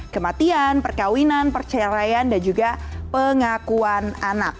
kematian perkawinan perceraian dan juga pengakuan anak